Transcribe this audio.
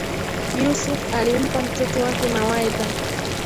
Yusuf alimpa mtoto wake mawaidha